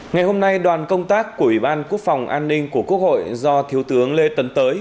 ngày hôm nay đoàn công tác của ủy ban quốc phòng an ninh của quốc hội do thiếu tướng lê tấn tới